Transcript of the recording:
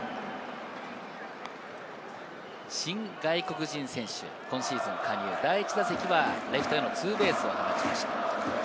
新外国人選手、今シーズン加入、第１打席はレフトへのツーベースを放ちました。